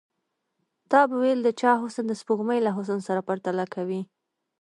تا به ويل د چا حسن د سپوږمۍ له حسن سره پرتله کوي.